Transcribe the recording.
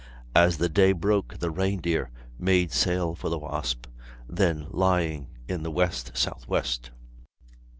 As the day broke, the Reindeer made sail for the Wasp, then lying in the west southwest.